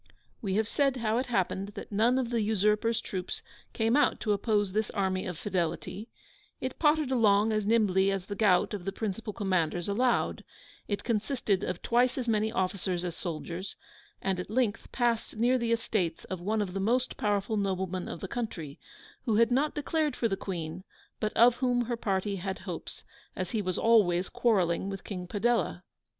We have said how it happened that none of the Usurper's troops came out to oppose this Army of Fidelity: it pottered along as nimbly as the gout of the principal commanders allowed: it consisted of twice as many officers as soldiers: and at length passed near the estates of one of the most powerful noblemen of the country, who had not declared for the Queen, but of whom her party had hopes, as he was always quarrelling with King Padella.